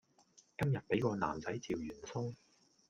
今日俾個男仔趙完鬆